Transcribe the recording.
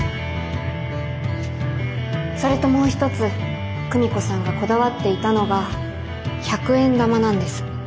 それともう一つ久美子さんがこだわっていたのが百円玉なんです。